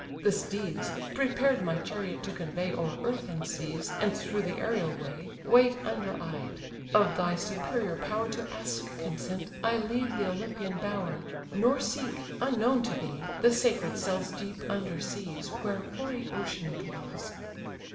The steeds, prepared my chariot to convey O'er earth and seas, and through the aerial way, Wait under Ide: of thy superior power To ask consent, I leave the Olympian bower; Nor seek, unknown to thee, the sacred cells Deep under seas, where hoary Ocean dwells."